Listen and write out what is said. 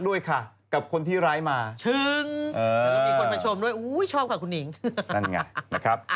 นั่นไงนะครับ